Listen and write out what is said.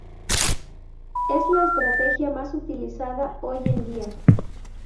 Es la estrategia más utilizada hoy en día.